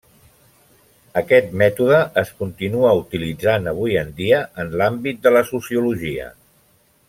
Aquest mètode es continua utilitzant avui en dia en l’àmbit de la sociologia.